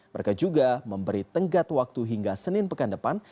mereka juga memberi tenggat waktu hingga senin pekan depan